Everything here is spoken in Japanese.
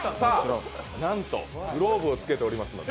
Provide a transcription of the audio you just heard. なんとグローブをつけております。